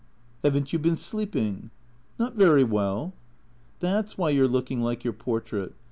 " Have n't you been sleeping ?"" Not very well." " That 's why you 're looking like your portrait.